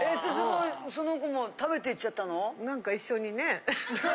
その子も食べていっちゃったの？